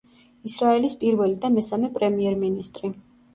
ისრაელის პირველი და მესამე პრემიერ-მინისტრი.